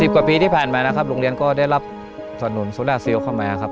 กว่าปีที่ผ่านมานะครับโรงเรียนก็ได้รับสนุนโซดาเซลลเข้ามาครับ